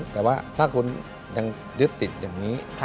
แต่ว่าถ้าคุณยังยึดติดอย่างนี้